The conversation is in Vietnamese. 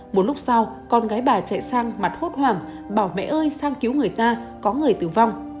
một lúc sau con gái bà chạy sang mặt hốt hoảng bỏ mẹ ơi sang cứu người ta có người tử vong